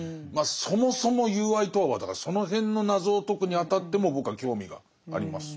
そもそも友愛とはだからその辺の謎を解くにあたっても僕は興味があります。